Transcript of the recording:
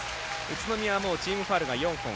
宇都宮はチームファウルが４本。